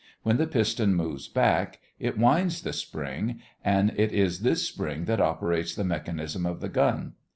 When the piston moves back, it winds the spring, and it is this spring that operates the mechanism of the gun.